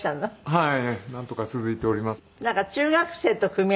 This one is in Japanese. はい。